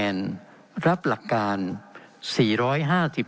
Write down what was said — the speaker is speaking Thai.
เป็นของสมาชิกสภาพภูมิแทนรัฐรนดร